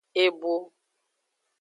Ebo.